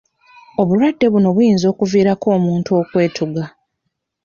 Obulwadde buno buyinza okuviirako omuntu okwetuga.